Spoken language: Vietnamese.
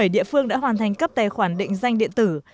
bốn mươi bảy địa phương đã hoàn thành cấp tài khoản định danh điện tử